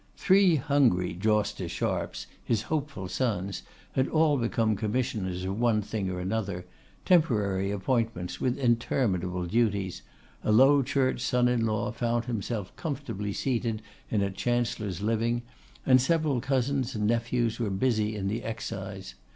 Three hungry Jawster Sharps, his hopeful sons, had all become commissioners of one thing or another; temporary appointments with interminable duties; a low church son in law found himself comfortably seated in a chancellor's living; and several cousins and nephews were busy in the Excise.